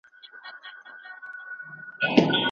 د تنفس پر مهال هم اوبه ضایع کېږي.